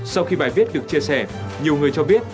sau khi bài viết được chia sẻ